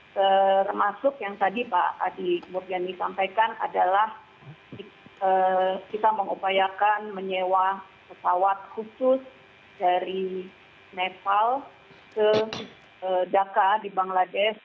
termasuk yang tadi pak adi murjani sampaikan adalah kita mengupayakan menyewa pesawat khusus dari nepal ke dhaka di bangladesh